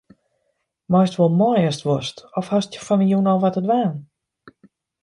Meist wol mei ast wolst of hast fan 'e jûn al wat te dwaan?